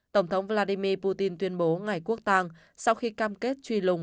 tổng thống vladimir putin tuyên bố ngày quốc tàng sau khi cam kết truy lùng